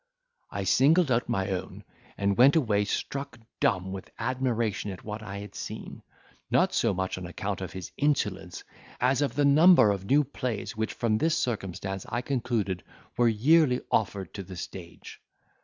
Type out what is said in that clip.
I singled out my own, and went away, struck dumb with admiration at what I had seen—not so much on account of his insolence, as of the number of new plays which from this circumstance I concluded were yearly offered to the stage.